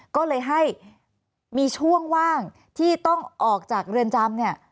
ก็เลยให้มีช่วงว่างที่ต้องออกจากเรือนจำเนี่ย